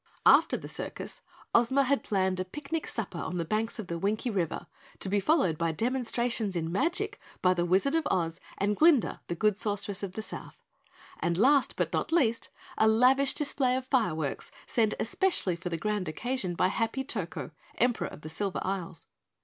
After the circus, Ozma had planned a picnic supper on the banks of the Winkie River, to be followed by demonstrations in magic by the Wizard of Oz and Glinda, the Good Sorceress of the South, and last, but not least, a lavish display of fireworks sent especially for the grand occasion by Happy Toko, Emperor of the Silver Isles.